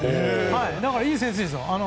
だから、いい選手ですよ。